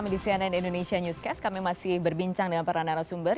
di cnn indonesia newscast kami masih berbincang dengan para narasumber